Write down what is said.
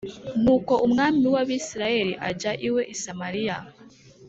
Nuko umwami w’Abisirayeli ajya iwe i Samariya